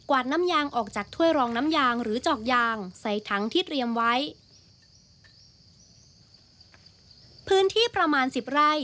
กวาดน้ำยางออกจากถ้วยรองน้ำยางหรือจอกยางใส่ทั้งที่เตรียมไว้